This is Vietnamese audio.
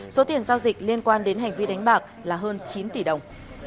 số tiền giao dịch liên quan đến hành vi đánh bạc là hơn chín tỷ đồng